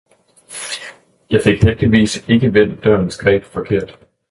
Jeg fik heldigvis ikke vendt dørens greb forkert